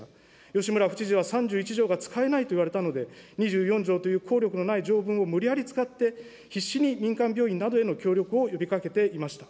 吉村府知事は３１条が使えないと言われたので、２４条という効力のない条文を無理やり使って、必死に民間病院などへの協力を呼びかけていました。